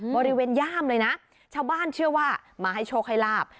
ย่ามเลยนะชาวบ้านเชื่อว่ามาให้โชคให้ลาบ